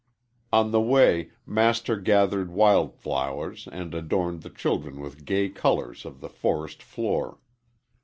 On the way Master gathered wild flowers and adorned the children with gay colors of the forest floor.